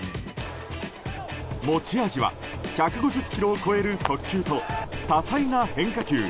持ち味は１５０キロを超える速球と多彩な変化球。